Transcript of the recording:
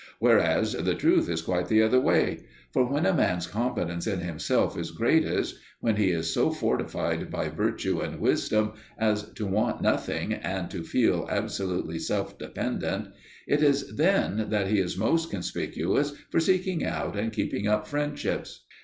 Whereas the truth is quite the other way. For when a man's confidence in himself is greatest, when he is so fortified by virtue and wisdom as to want nothing and to feel absolutely self dependent, it is then that he is most conspicuous for seeking out and keeping up friendships.